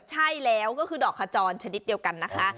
ใช่แล้วก็คือดอกขจรชนิดเดียวกันนะคะ